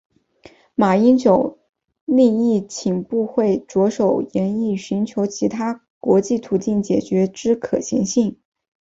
马英九另亦请部会着手研议寻求其他国际途径解决之可行性。